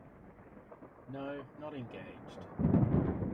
No, not engaged.